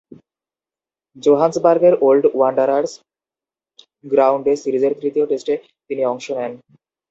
জোহেন্সবার্গের old Wanderers গ্রাউন্ডে সিরিজের তৃতীয় টেস্টে তিনি অংশ নেন।